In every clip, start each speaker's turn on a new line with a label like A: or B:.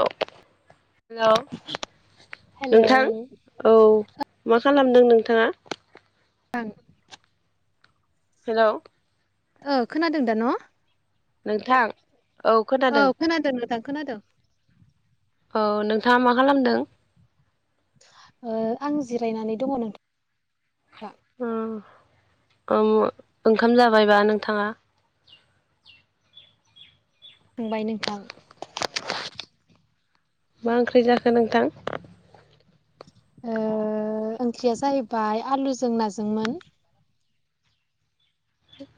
A: हेल'
B: hello
A: नोंथां औ मा खालामदों नोंथांङा?
B: थां
A: हेलौ
B: ओ खोनादों दा न'
A: नोंथां औ
B: औ
A: खोनादों
B: खोनादों नोंथां खोनादों
A: औ नोंथांङा मा खालामदों?
B: ओ आं जिरायनानै दंङ नोंथां।
A: ओम ओं ओंखाम जाबायबा नोंथांङा? [inaudible]
B: थांबाय नोंथां।
A: मा ओंख्रि जाखो नोंथां?
B: ओ ओंख्रिया जाहैबाय आलुजों नाजोंमोन।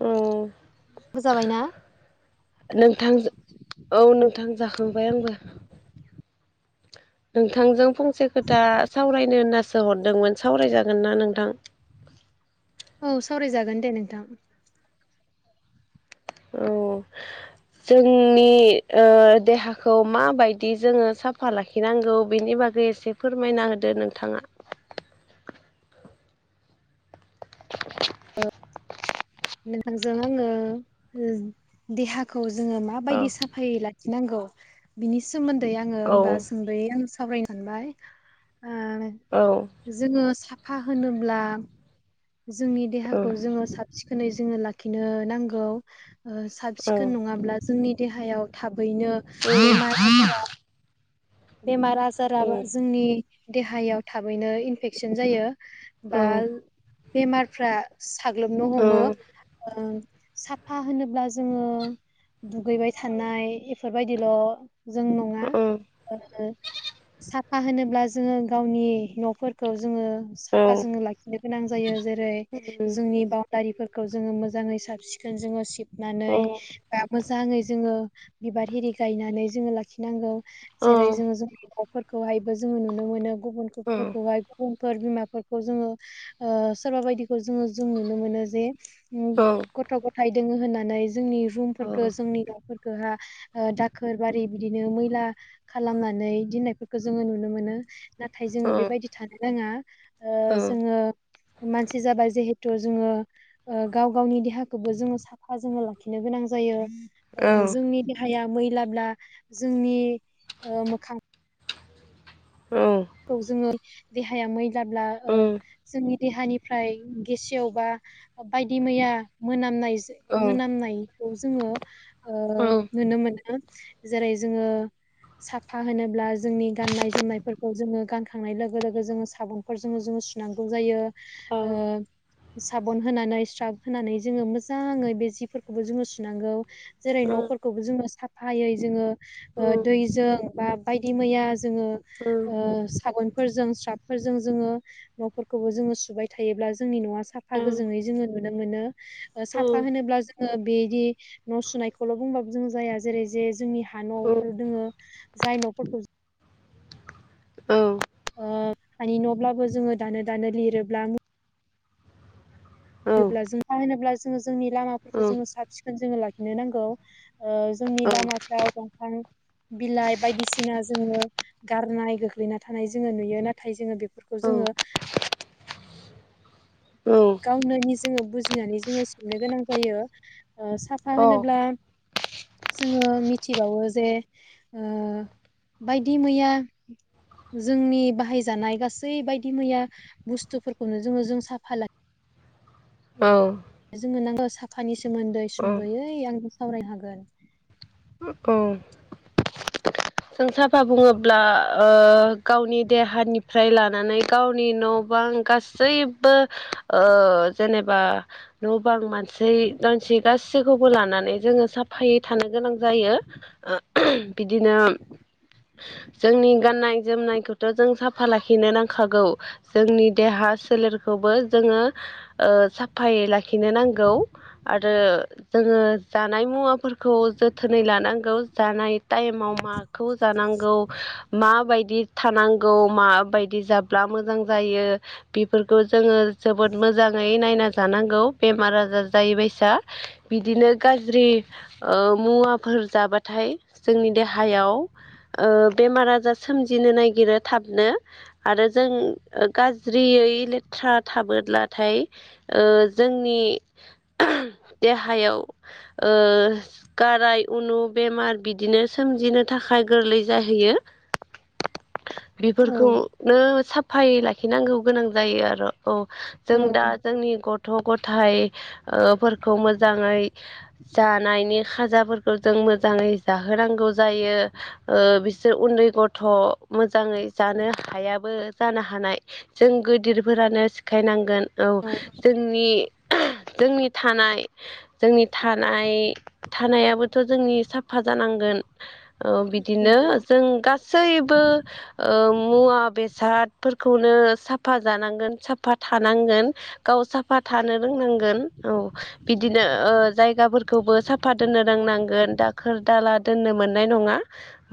A: औ
B: बोजाबायना
A: नोंथां औ नोंथां जाखांबाय आंबो। नोंथांजों फंसे खोथा सावरायनो होनना सो हरदोंमोन सावरायजागोन ना नोंथां?
B: औ सावरायजागोन दे नोंथां।
A: औ जोंनि ओ देहाखौ माबायदि जोंङो साफा लाखिनांगौ बेनि नि बागै एसे फोरमायना होदो नोंथांङा
B: नोंथांजों आंङो ओज देहाखौ जोंङो
A: औ
B: माबायदि साफायै लाखि नांगौ बिनि सोमोन्दै आंङो होमबा
A: औ
B: सुंंदयै आं सावरायनो सानबाय आ जोंङो साफा होनोब्ला जोंनि देहाखौ जोंङो साब सिखोनै जोंङो लाखिनो नांगौ ओ साब सिखोन नंङाब्ला जोंनि देहायाव थाबैनो बेमार आजारा बेमार आजाराबा जोंनि देहायाव थाबैनो इनफेकसन जायो। बा बेमारफ्रा साग्लोबनो हमो साफा होनोब्ला जोंङो दुगैबाय थानाय एफोरबायदिल' जों नङा
A: ओम
B: साफा होनोब्ला जोंङो गावनि न'फोरखौ जोंङो साफा जोंङो लाखिनो गोनां जायो जेरै जोंनि बावनदारिफोर खौ जोंङो मोजाङै साब सिखोन जोंङो सिबनानै बा मोजाङै जोंङो बिबार हिरि गायनानै जोंङो लाखिनांगौ जेरै जोंङो जोंनि न'फोरखौहायबो जोंङो नुनो मोनो गुबुनफोरखौहाय गुबुन फोर बिमाफोरखौ जोंङो ओ सोरबा बायदिखौ जोंङो जों नुनो मोनो जे गथ' गथाइ दोंङो होननानै जोंनि रुमफोरखौ जोंनि न'फोर दाखोर बारि बिदिनो मैला खालामनानै यिदि होननायफोरखौ जोङो नुनो मोनो नाथाय जोङो बेबायदि थानो नाङा ओ जोङो मानसि जाबाय जिहेथु जोङो गाव गावनि देहाखौबो जोङो साफा जोङो लाखिनो गोनां गोनां जायो जोंनि देहाया मैलाब्ला जोंनि मोखां खौ जोङो देहाया मैलाब्ला ओ
A: औ
B: जोंनि देहानिफ्राय गेसेवबा बायदि मैया मोनामनाय मोनामनाय खौ जोङो नुनो मोनो जेरै जोङो साफा होनोब्ला जोंनि गाननाय जोमनाय जोङो गानखांनाय लोगो लोगो जोङो साबनफोरजों जोङो सुनांगौ जायो
A: औ
B: ओ साबन होनानै स्राब होनानै जोङो मोजाङै बे जिफोरखौबो जोङो सुनांगौ जेरै न'फोरखौबो जोङो साफायै जोङो दैजों बा बायदि मैया जोङो ओ साबोनफोरजों स्राबफोरजों जोङो न'फोरखौबो जोङो सुबाय थायोब्ला जोंनि न'आ साफा गोजोङै जोङो नुनो मोनो साफा होनोब्ला जों बेदि न' सुनायखौल' बुंबाबो जों जाया जेरै जे जोंनि हा न'फोर दोङो जाय न फोरखौ जों
A: औ
B: ओ हानि न'ब्लाबो जोङो दानो दानो लिरोब्ला [unintelligible] जों [unintelligible] होनोब्ला जोङो जोंनि लामाफोरखौ जोङो साब सिखोन जोङो लाखिनो नांगौ ओ जोंनि लामाफ्राव दंफां बिलाइ बायदिसिना जोङो गारनाय गोग्लैना थानाय जोङो नुयो नाथाय जोङो बेफोरखौ जोङो गावनो जोङो बुजिनानै जोङो संनो गोनां जायो साफा होनोब्ला जोङो मिथिबावो जे ओ बायदि मैया जोंनि बाहायजानाय गासै बायदि मैया बुस्थुफोरखौनो जोङो जों साफा ला
A: औ
B: जोंङो [unintelligible] नांगौ साखानि सोमोन्दै सुंद'यै आं सावराय हागोन
A: जों साफा बुङोब्ला ओ गावनि देहानिफ्राय लानानै [unintelligible] गावनि न बां गासैबो ओ जेनेबा न बां मानसि [unintelligible] गासैखौबो खौबो लानानै जोङो साफायै थानो गोनां जायो ओ बिदिनो [inaudible] जोंनि गाननाय जोमनायखौथ' जों साफा लाखिनो नांखागौ जोंनि देहा सोल फोरबो जोङो साफायै लाखिनो नांगौ आरो जोङो जानाय मुवाफोरखौ जोथोनै लानांगौ जानाय टाइमाव मा खौ जानांगौ माबायदि थानांगौ माबायदि जाब्ला मोजां जायो बेफोरखौ जोङो जोबोद मोजाङै नायना जानांगौ बेमार आजार जायैबायसा बिदिनो गाज्रि मुवाफोर जाबाथाय जोंनि देहायाव ओ बेमार आजार सोमजिनो नागिरो थाबनो आरो जों गाज्रि यै लेथ्रा थाबोलाथाय जोंनि देहायाव ओ गाराय उनु बेमार बिदिनो सोमजिनो थाखाय गोरलै जाहैयो
B: औ
A: बेफोरखौनो साफाय लाखिनांगौ गोनां जायो आरो औ जों दा
B: औ
A: जोंनि ग' गथ' गथायाइ फोरफोरखौ मोजाङै जानायनि खाजाफोरखौ जों मोजाङै जाहोनांगौ जायो बिसोर उन्दै गथ' मोजाङै जानो हायाबो जानो हानाय जों गोदिरफोरानो सिखायनांगोन औ जोंनि। जोंनि थानाय। जोंनि थानाय थानायाबोथ' जोंनि साफा जानांगोन। औ बिदिनो जों गासैबो ओ मुवा बेसाद। फोरखौनो साफा जानांगोन साफा थानांगोन गाव साफा थानो रोंनांगोन। औ बिदिनो ओ जायगाफोरखौबो साफा दोननो रोंनांगोन दाखोर दाला दोननो मोन नाय नङा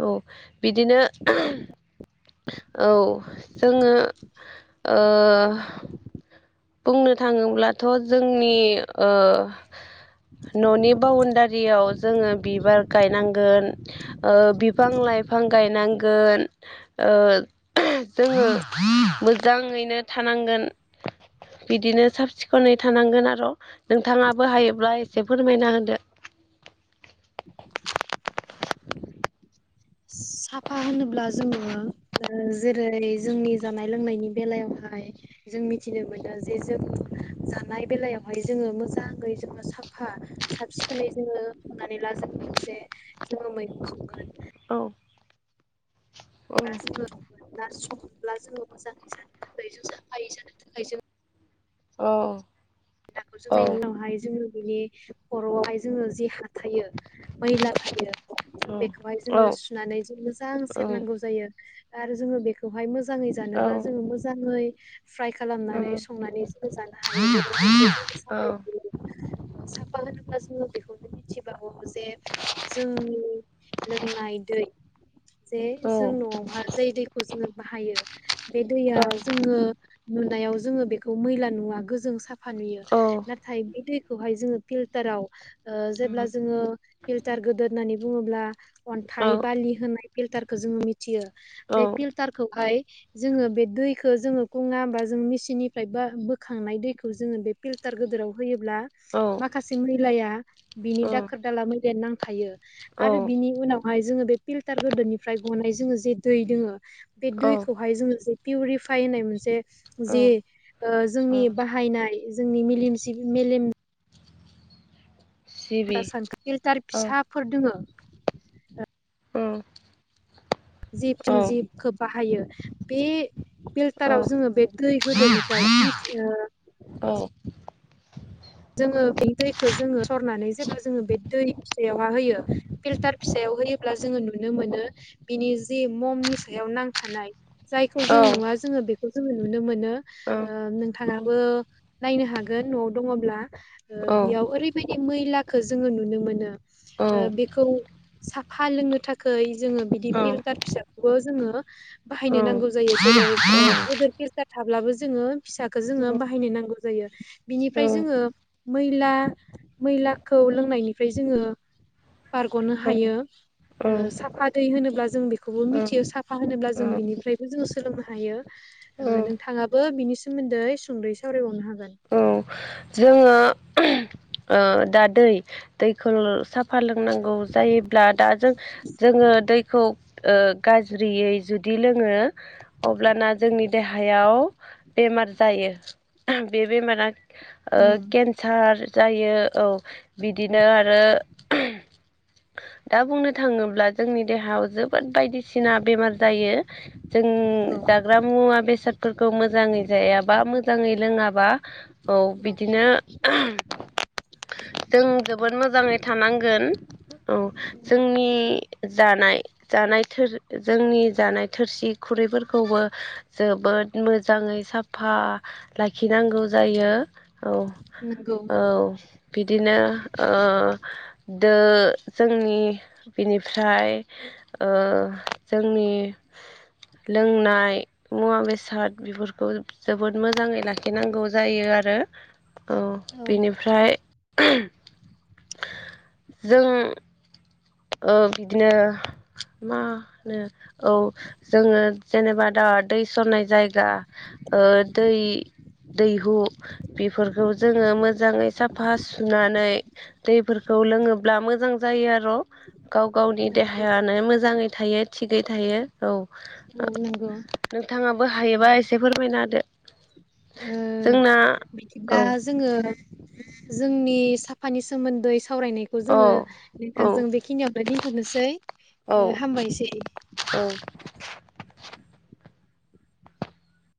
A: औ बिदिनो। औ जोङो ओ। बुंनो थाङोब्लाथ'जोंनि ओ। न'नि बाउणडारियाव जोङो बिबार गायनांगोन ओ बिफां लाइफ फां गायनांगोन ओ जोङो मोजाङैनो था नांगोन बिदिनो साब सिखोनै थानांगोन आर' नोंथाङाबो हायोब्ला ए से फोरमायना होदो।
B: साफा होनोब्ला जोङो जेरै- जोंनि जानाय लोंनायनि बेलायाव। जों मिथिनो मोनदों जे जोङो जानाय बेलायावहाय जोङो मोजाङै जोङो सा साफा साब सिखोनै जोङो हमनानै ला जोङो मोनसे जोङो मैगं संगोन।
A: औ। औ
B: [unintelligible] ब्ला जोङो मोजाङै जानो थाखाय जों जाफायै जानो थाखाय जों।
A: औ।
B: दाखौ
A: औ
B: जोंनायनि उनावहाय जोङो। बिनि खर'आवहाय जोङो जि हा थायो मैला थायो।
A: औ
B: बेखौहाय
A: औ
B: जोङो सुनानै जों मोजां
A: औ
B: सेरनांगौ जायो आरो जोङो बेखौहाय मोजा जाङै
A: औ
B: जानोब्ला जोङो मोजाङै फ्राय खालामनानै संनानै जों जानो हायो बेफो मोनसे जोनि
A: औ
B: साफायाव थायो। साफा होनोब्ला जोङो बेखौनो मिथिबावौ जे जोंनि। लोंनाय दै। जे जों न'आवहा जाय दैखौ जोङो बाहायो बे दैया जोङो। नुनायाव जोङो बेखौ मैला नुवा गोजों साफ फा नुयो नाथाय बे दैखौहाय जोङो फिल्टाराव ओ जेब्ला जोङो फिल्टार। गोदोद होननानै बुङोब्ला अन्थाइ बालि होनाय। फिलटारखो जोङो मिथियो बे
A: औ
B: फिल्टारखौहाय जोङो बे दैखो जोङो बे दैखो जोङो [inaudible] नोंनि सिनिफ्राय बा बोखांनाय दैखौ। जोङो बे फिल्टार गोदोराव होयोब्ला माखासे मैलाया बेनि दाखोर-दाला मैलानि। नांथायो आरो बिनि उनावहाय जोङो बे फिल्टार गोदोदनिफ्राय गनाय जोङो जे दै दोङो। बे
A: औ
B: दैखौहाय जोङो जे पिउरिफाइ होननाय मोनसे
A: औ
B: जि ओ जोंनि बाह हायनाय जोंनि मेलेम जिबि मेलेम।
A: सिबि
B: [unintelligible] फिल्टार
A: औ
B: फिसाफोर दङो।
A: औ
B: जिब
A: औ
B: थिं जिबखो बाहायो बे
A: औ
B: फिल्टाराव जोङो बे दै गोदोनिफ्राय। एथलिस
A: औ
B: ओ। जोङो बे दैखो जोङो सरनानै जेब्ला जोङो बे दै फिसायावहा होयो फिल्टार फिसायाव। होयोब्ला जोङो नुनो मोनो बिनि जे ममनि सायाव नांथानाय। जायखौ जों
A: औ
B: नुवा जोङो बे खौ जोङो नुनो मोनो ओ नोंथाङाबो नायनो हागोन न'आव दङब्ला। ओ बेयाव ओरैबायदि मैलाखो जोङो नुनो मोनो
A: औ
B: बेखौ। साफा लोंनो थाखाय जोङो बिदि फिल्टार फिसाखौबो जोङो बाहायनो नांगौ जायो। जेरै- गोदोर फिल्टार थाब्लाबो जोङो फिसाखो जोङो
A: औ
B: बाहायनो नांगौ जायो
A: औ
B: बिनिफ्राय जोङो। मैला मैलाखौ लोंनायनिफ्राय जोङो। बारग'नो
A: औ
B: हायो।
A: औ
B: ओ साफा दै होनोब्ला जों बेखौबो
A: औ
B: मिथियो साफा होनोब्ला जों बिनिफ्रायबो जों सोलोंनो हायो।
A: औ
B: ओ नोंथाङाबो बिनि सोमोन्दै सुंदयै सावरायबावनो हागोन
A: औ जोंङो ओ दा दै दैखौ साफ फा लोंनांगौ जायोब्ला दा जों जोंङो दैखौ ओ गाज्रियै जुदि लोङो अब्लाना जोंनि देहायाव बेम बेमार जायो बे बेमारा ओ केन्सार जायो औ बिदिनो आरो दा बुंनो थाङोब्ला जोंनि देहायाव जोबोद बायदिसिना बेमार जायो जों जाग्रा मुवा बेसादफोरखौ मोजाङै जायाबा मोजाङै लोङाबा औ बिदिनो जों जोबोद मोजाङै थानांगोन औ जोंनि जानाय जानाय थोर जोंनि जानाय थोरसि खुरैफोरखौबो जोबोद मोजाङै साफा लाखिनांगौ जायो औ
B: नंगौ
A: औ बिदिनो ओ दो जोंनि बिनिफ्राय ओ जोंनि लोंनाय मुवा बेसाद बेफोरखौ जोबोद मोजाङै लाखिनांगौ जायो आरो आरो औ बेनिफ्राय [unintelligible] जों ओ बिदिनो मा होनो औ जोंङो जेनेबा दा दै सरनाय जायगा ओ दै दैहु बेफोरखौ जोंङो मोजाङै साफा सुनानै दैफोरखौ लोङोब्ला मोजां जायो आर' गाव गावनि
B: नंगौ
A: देहायानो मोजाङै थायो थिगै थायो औ ओ
B: औ नंगौ
A: नोंथाङाबो हायोबा एसे फोरमायना होदो
B: ओ
A: जोंना
B: बिदिब्ला
A: औ
B: जोंङो जोंनि साफानि सोमोन्दै सावरायनायखौ
A: औ
B: जोंङो
A: औ
B: नोंथांजों बेखिनियावनो दिनथ'नोसै
A: औ
B: हामबायसै
A: औ